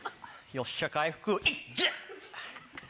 よっしゃ回復。